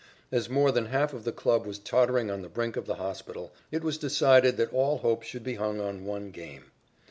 As more than half of the club was tottering on the brink of the hospital, it was decided that all hope should be hung on one game.